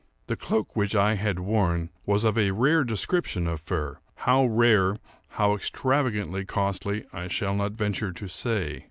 The cloak which I had worn was of a rare description of fur; how rare, how extravagantly costly, I shall not venture to say.